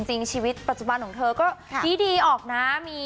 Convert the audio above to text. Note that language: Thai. ชีวิตปัจจุบันของเธอก็ดีออกนะ